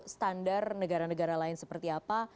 standar negara negara lain seperti apa